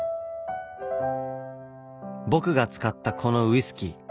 僕が使ったこのウイスキー。